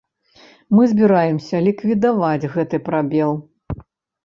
Мы збіраемся ліквідаваць гэты прабел.